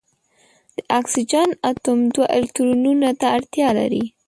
د اکسیجن اتوم دوه الکترونونو ته اړتیا لري.